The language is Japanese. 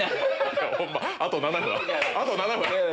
あと７分は？